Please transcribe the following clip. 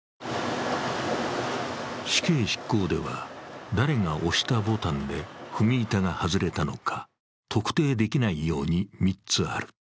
死刑執行では、誰が押したボタンで踏み板が外れたのか特定できないように３つある。